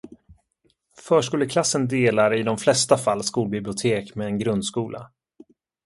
Förskoleklassen delar i de flesta fall skolbibliotek med en grundskola.